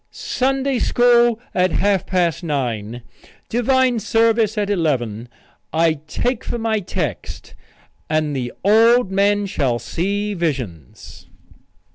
Sunday school at half past nine; divine service at eleven. I take for my text 'And the old men shall see visions.'"